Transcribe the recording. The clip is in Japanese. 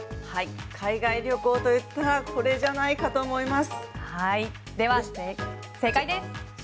海外旅行といったらこれじゃないかと思います。